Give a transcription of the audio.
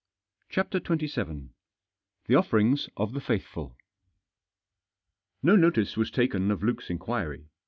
CHAPTER XXVII. THE OFFERINGS OF THE FAITHFUL. No notice was taken of Luke's inquiry.